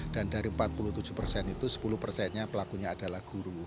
dan dari empat puluh tujuh persen itu sepuluh persennya pelakunya adalah guru